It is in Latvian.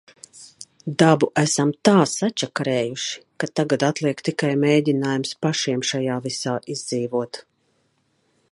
Dabu esam tā sačakarējuši, ka tagad atliek tikai mēģinājums pašiem šajā visā izdzīvot.